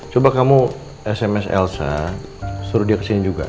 coba kamu sms elsa suruh dia ke sini juga